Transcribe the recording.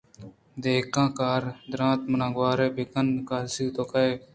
دِہقان کار ءَ درّائینت منا گوٛرے کار ءَ کارنیست کہ تو کئے اِت